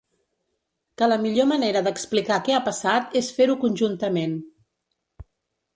Que la millor manera d’explicar què ha passat és fer-ho conjuntament.